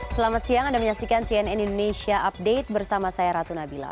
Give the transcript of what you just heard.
selamat siang anda menyaksikan cnn indonesia update bersama saya ratu nabila